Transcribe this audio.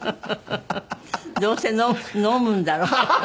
どうせ飲むんだろう。